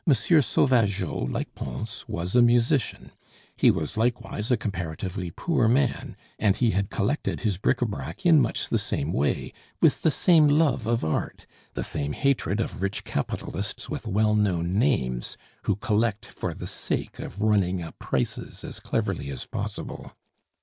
Sauvageot, like Pons, was a musician; he was likewise a comparatively poor man, and he had collected his bric a brac in much the same way, with the same love of art, the same hatred of rich capitalists with well known names who collect for the sake of running up prices as cleverly as possible.